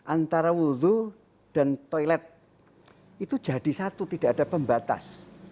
antara wudhu dan toilet itu jadi satu tidak ada pembatas